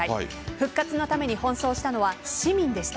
復活のために奔走したのは市民でした。